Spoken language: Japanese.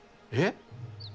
えっ？